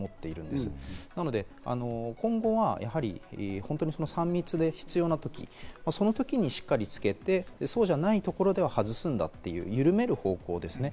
今後は３密で必要な時、その時にしっかりつけて、そうじゃないところでは外すんだという、緩める方向ですね。